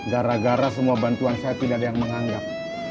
gara gara semua bantuan saya tidak ada yang menganggap